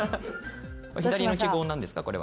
左の記号なんですか？